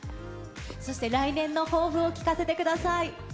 そして来年の抱負を聞かせてください。